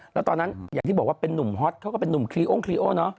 แล้วตอนนั้นอย่างที่บอกว่าเป็นนุ่มฮอตเขาก็เป็นนุ่มคลีองค์คลีโอเนอะ